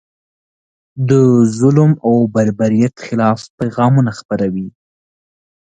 د ظلم او بربریت خلاف پیغامونه خپروي.